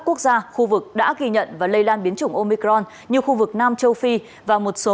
quốc gia khu vực đã ghi nhận và lây lan biến chủng omicron như khu vực nam châu phi và một số